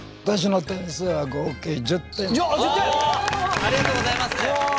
ありがとうございます。